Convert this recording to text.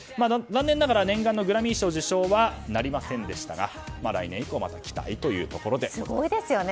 残念ながら念願のグラミー賞受賞これはなりませんでしたが来年以降、また期待というところです。